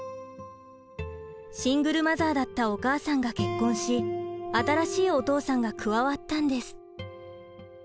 シングルマザーだったお母さんが結婚し新しいお父さんが加わったんです。